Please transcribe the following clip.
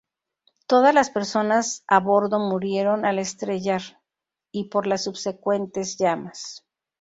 Todas las personas a bordo murieron al estrellar y por las subsecuentes llamas.